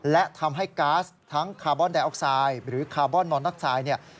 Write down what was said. และทำให้ก๊าซทั้งคาร์บอนไดออกไซด์หรือคาร์บอนมอนนักไซด์เนี่ย